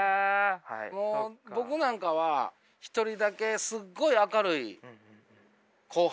もう僕なんかは一人だけすっごい明るい後輩。